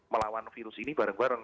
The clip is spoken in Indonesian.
melawan virus ini bareng bareng